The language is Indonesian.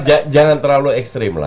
jangan terlalu ekstrim